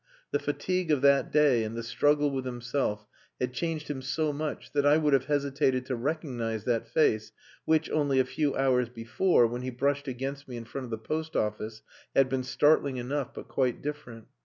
The fatigue of that day and the struggle with himself had changed him so much that I would have hesitated to recognize that face which, only a few hours before, when he brushed against me in front of the post office, had been startling enough but quite different.